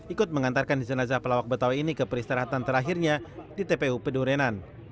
ikut mengantarkan jenazah pelawak betawi ini ke peristirahatan terakhirnya di tpu pedurenan